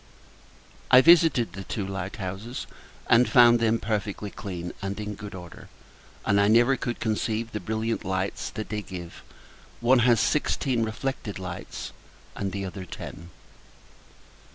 I visited the two light houses, and found them perfectly clean, and in good order: and I never could conceive the brilliant light that they give; one has sixteen reflected lights, and the other ten.